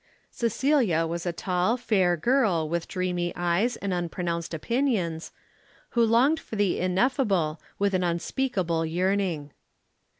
Cecilia was a tall, fair girl, with dreamy eyes and unpronounced opinions, who longed for the ineffable with an unspeakable yearning.